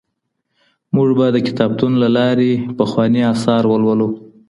موږ به د کتابتون له لاري پخواني اثار ولولو.